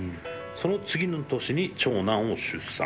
その次の年に長男を出産」。